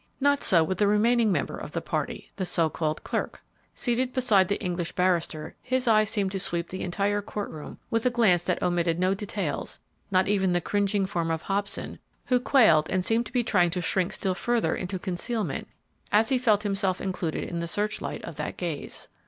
Not so with the remaining member of the party, the so called "clerk!" Seated beside the English barrister, his eye seemed to sweep the entire court room with a glance that omitted no details, not even the cringing form of Hobson, who quailed and seemed to be trying to shrink still further into concealment as he felt himself included in the search light of that gaze.